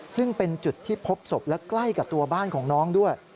ซึ่งเป็นจุดที่พบศพและใกล้กับตัวบ้านของน้องด้วย